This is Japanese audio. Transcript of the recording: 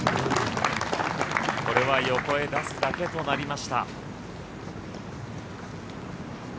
これは横へ出すだけとなりました。